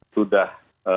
sudah memberikan apa ya